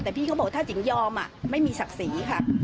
แต่พี่เขาบอกว่าถ้าจิ๋งยอมไม่มีศักดิ์ศรีค่ะ